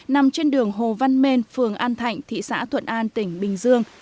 nằm trên đường hồ văn mên phường an thạnh thị xã thuận an tỉnh bình dương